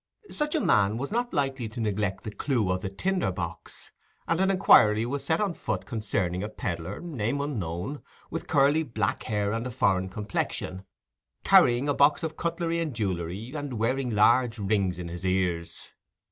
Such a man was not likely to neglect the clue of the tinder box, and an inquiry was set on foot concerning a pedlar, name unknown, with curly black hair and a foreign complexion, carrying a box of cutlery and jewellery, and wearing large rings in his ears.